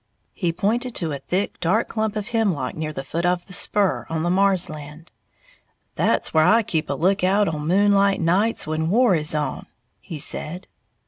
He pointed to a thick, dark clump of hemlock near the foot of the spur, on the Marrs land. "That's where I keep lookout of moonlight nights when war is on," he said.